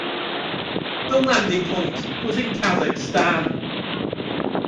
The landing point was in Kazakhstan.